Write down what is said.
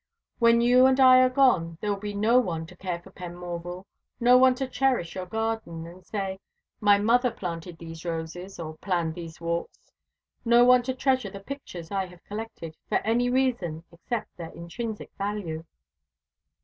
When you and I are gone there will be no one to care for Penmorval no one to cherish your garden, and say, 'My mother planted these roses, or planned these walks' no one to treasure the pictures I have collected, for any reason except their intrinsic value."